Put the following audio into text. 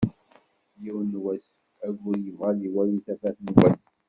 Yiwen n wass aggur yebɣa ad iwali tafat n wass.